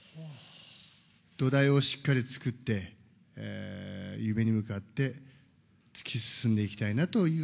土台をしっかり作って、夢に向かって突き進んでいきたいなという。